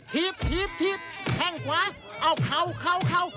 ทีบแข้งขวาเอาเขา